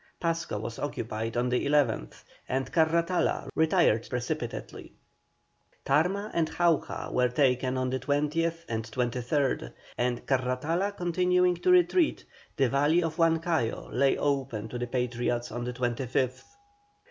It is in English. Pasco was occupied on the 11th, and Carratala retired precipitately. Tarma and Jauja were taken on the 20th and 23rd, and Carratala continuing to retreat, the valley of Huancayo lay open to the Patriots on the 25th.